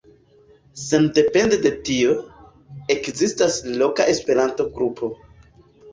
Sendepende de tio, ekzistas loka Esperanto-grupo.